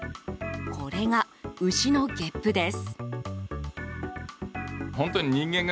これが牛のげっぷです。